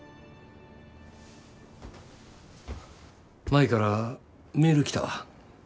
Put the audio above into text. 舞からメール来たわ。